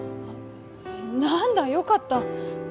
何だよかった